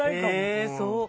ええそう。